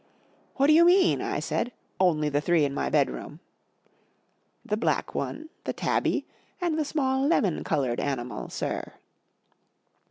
" What do you mean," I said, *' only the three in my bedroom ?"" The black one, the tabby, and the small lemon coloured animal, sir."